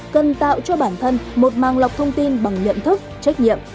cần tạo cho bản thân một màng lọc thông tin bằng nhận thức trách nhiệm